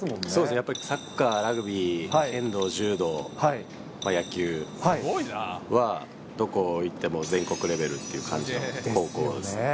やっぱりサッカー、ラグビー、剣道、柔道、野球は、どこ行っても、全国レベルっていう感じの高校ですね。